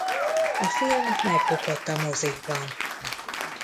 A film megbukott a mozikban.